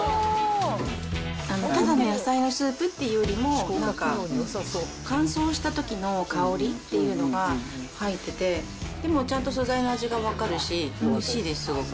ただの野菜のスープっていうよりも、なんか乾燥したときの香りっていうのが入ってて、でもちゃんと素材の味が分かるし、おいしいです、すごく。